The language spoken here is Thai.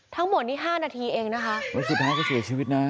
ทั้งหมดนี้ห้านาทีเองนะคะแล้วสุดท้ายก็เสียชีวิตนะ